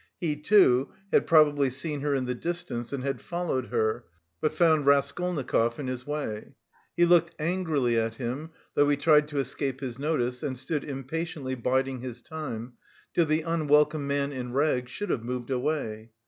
He, too, had probably seen her in the distance and had followed her, but found Raskolnikov in his way. He looked angrily at him, though he tried to escape his notice, and stood impatiently biding his time, till the unwelcome man in rags should have moved away.